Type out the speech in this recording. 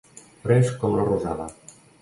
Fresc com la rosada.